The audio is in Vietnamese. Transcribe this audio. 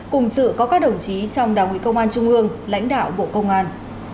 cùng sự có các đồng chí trong đảng ủy công an trung ương lãnh đạo bộ công an